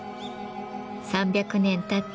３００年たった